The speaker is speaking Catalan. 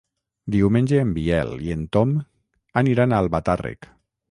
Diumenge en Biel i en Tom aniran a Albatàrrec.